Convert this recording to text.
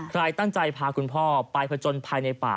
ใครตั้งใจพาคุณพ่อไปผจญภัยในป่า